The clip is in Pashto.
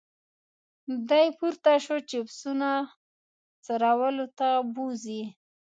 دی پورته شو چې پسونه څرولو ته بوزي.